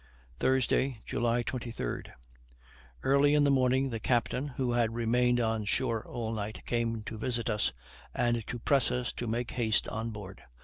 Thursday, July 23. Early in the morning the captain, who had remained on shore all night, came to visit us, and to press us to make haste on board.